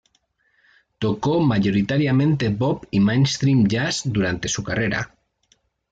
Tocó mayoritariamente bop y mainstream jazz durante su carrera.